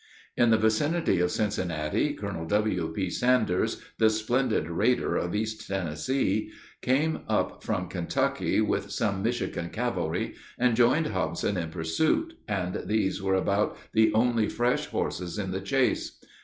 In the vicinity of Cincinnati, Colonel W.P. Sanders, the splendid raider of East Tennessee, came up from Kentucky with some Michigan cavalry, and joined Hobson in pursuit, and these were about the only fresh horses in the chase.